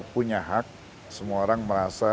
punya hak semua orang merasa